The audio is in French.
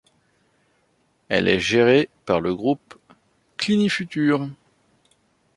Elle est gérée par le groupe Clinifutur.